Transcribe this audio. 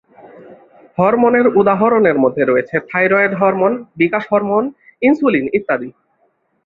হরমোনের উদাহরণের মধ্যের রয়েছে থাইরয়েড হরমোন, বিকাশ হরমোন, ইনসুলিন, ইত্যাদি।